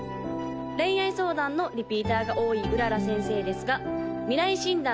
恋愛相談のリピーターが多い麗先生ですが未来診断